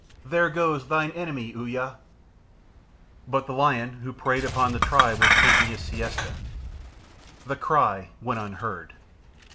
There goes thine enemy, Uya!" But the lion who preyed upon the tribe was taking his siesta. The cry went unheard.